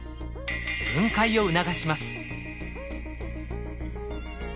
分解を促します。